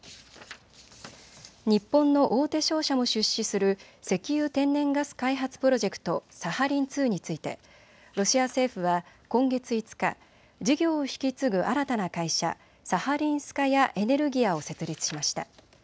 日本の大手商社も出資する石油・天然ガス開発プロジェクト、サハリン２についてロシア政府は今月５日、事業を引き継ぐ新たな会社、サハリンスカヤ・エネルギヤを設立しました。